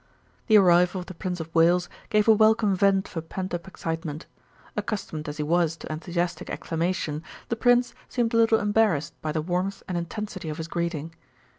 The arrival of the Prince of Wales gave a welcome vent for pent up excitement. Accustomed as he was to enthusiastic acclamation, the Prince seemed a little embarrassed by the warmth and intensity of his greeting.